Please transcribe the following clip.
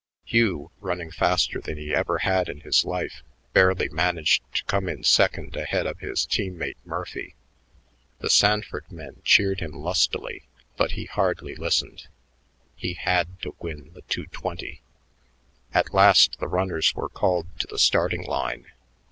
Hugh, running faster than he ever had in his life, barely managed to come in second ahead of his team mate Murphy. The Sanford men cheered him lustily, but he hardly listened. He had to win the two twenty. At last the runners were called to the starting line.